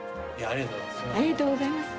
ありがとうございます。